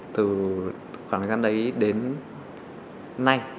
từ khoảng gian đấy đến nay